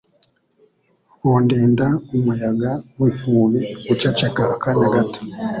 bundinda umuyaga w’inkubi» guceceka akanya gato